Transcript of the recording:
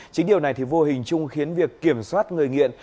chính điều này thì vô hình chung khiến việc kiểm soát người nghiện